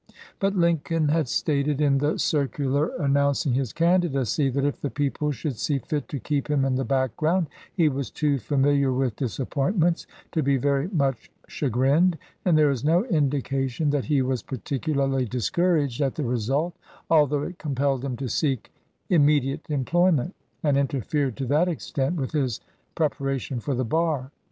But Lincoln had stated in the circular announc ing his candidacy that if the people should see fit to keep him in the background, he was too familiar with disappointments to be very much chagrined, and there is no indication that he was particularly discouraged at the result, although it compelled him to seek immediate employment, and interfered to that extent with his prepara tion for the bar.